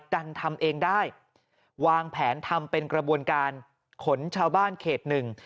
กันทำเองได้วางแผนทำเป็นกระบวนการขนชาวบ้านเขตหนึ่ง